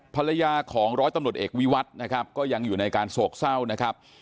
ภรรยาของร้อยตำรวจเอกวิวัตน์ยังอยู่ในการโศกเศร้า